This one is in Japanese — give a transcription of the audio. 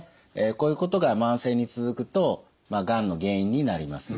こういうことが慢性に続くとがんの原因になります。